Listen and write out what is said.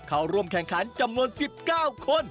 เข้าร่วมแข่งขันจำนวน๑๙คน